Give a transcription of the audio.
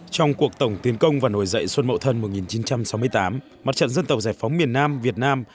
trong cuộc tổng tiến công và nổi dậy xuân mậu thân một nghìn chín trăm sáu mươi tám mặt trận dân tộc giải phóng miền nam việt nam